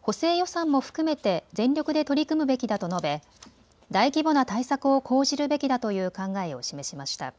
補正予算も含めて全力で取り組むべきだと述べ大規模な対策を講じるべきだという考えを示しました。